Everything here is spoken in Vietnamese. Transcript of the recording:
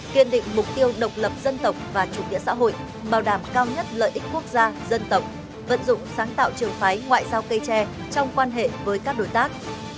kiên định mục tiêu độc lập dân tộc và chủ nghĩa xã hội bảo đảm cao nhất lợi ích quốc gia dân tộc vận dụng sáng tạo trường phái ngoại giao cây tre trong quan hệ với các đối tác